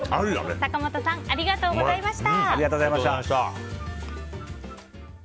坂本さんありがとうございました。